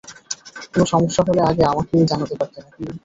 কোনো সমস্যা হলে আগে আমাকেই জানাতে পারতে, নাকি?